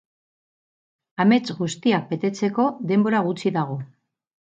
Amets guztiak betetzeko denbora gutxi dago.